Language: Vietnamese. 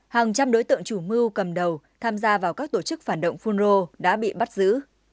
hàng trăm đối tượng chủ mưu cầm đầu tham gia vào các tổ chức phản động phun rô đã bị bắt giữ